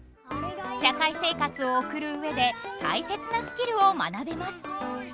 社会生活を送る上で大切なスキルを学べます。